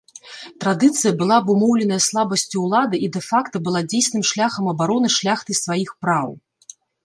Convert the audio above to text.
Традыцыя была абумоўленая слабасцю ўлады і дэ-факта была дзейсным шляхам абароны шляхтай сваіх праў.